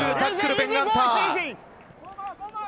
ベン・ガンター！